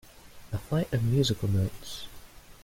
A flight of musical notes.